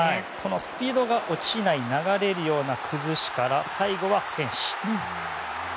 スピードが落ちない流れるような崩しから最後はセンシ。